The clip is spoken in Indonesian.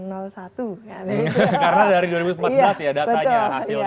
karena dari dua ribu empat belas ya datanya hasilnya hasilnya presiden